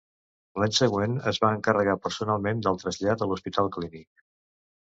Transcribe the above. L'any següent es va encarregar personalment del trasllat a l'Hospital Clínic.